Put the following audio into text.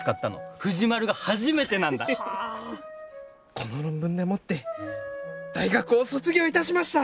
この論文でもって大学を卒業いたしました！